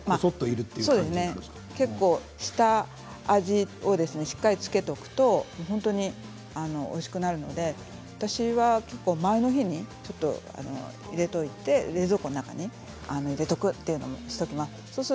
結構、下味をしっかり付けておくと本当においしくなるので私は結構、前の日に入れておいて冷蔵庫の中に入れておくというのをしておきます。